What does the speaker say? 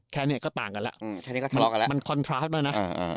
แค่นี้ก็ต่างกันแล้วมันคอนทราสต์แล้วนะ